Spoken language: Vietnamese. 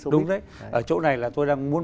đúng đấy ở chỗ này là tôi đang muốn